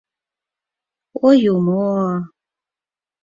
— О Юмо-о-о...